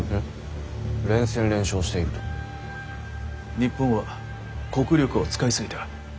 日本は国力を使い過ぎた。